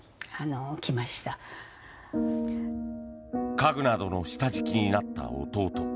家具などの下敷きになった弟